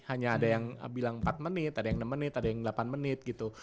hanya ada yang bilang empat menit ada yang enam menit ada yang delapan menit gitu